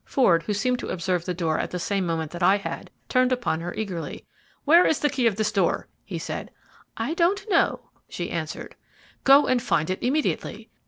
Ford, who seemed to observe the door at the same moment that I had, turned upon her eagerly. "Where is the key of this door?" he said. "I don't know," she answered. "Go and find it immediately."